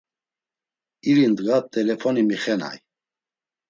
İri ndğa t̆elefoni mixenay.